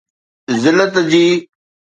ذلت جي ".